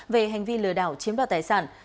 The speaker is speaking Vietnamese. về hành vi lừa đảo chiếm đoạt tài sản